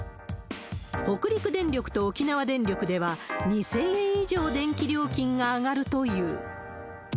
北陸電力と沖縄電力では、２０００円以上電気料金が上がるという。